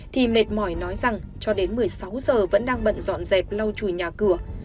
thì mệt mỏi nói rằng cho đến một mươi sáu giờ vẫn đang bận dọn dẹp lau chùi nhà cửa